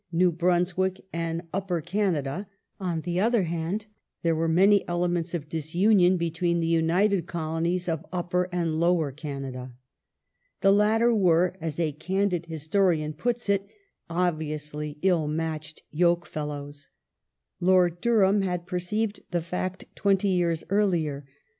New Brunswick and Upper Canada ; on the other hand, there were many elements of disunion between the united Colonies of Upper and Lower Canada. The latter were, as a candid historian puts it, "obviously ill matched yoke fellows".^ Lord Durham had per ceived the fact twenty years earlier.